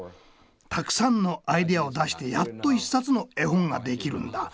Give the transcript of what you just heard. たくさんのアイデアを出してやっと１冊の絵本が出来るんだ。